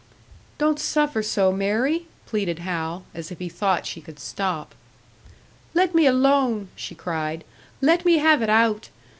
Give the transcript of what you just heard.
"Don't suffer so, Mary!" pleaded Hal as if he thought she could stop. "Let me alone!" she cried. "Let me have it out!"